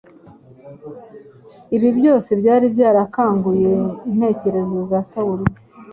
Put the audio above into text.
Ibi byose byari byarakanguye intekerezo za Sawuli